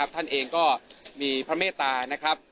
ท่านเองก็มีพระเมตตา